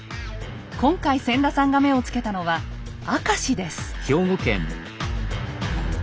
今回千田さんが目をつけたのは明石です。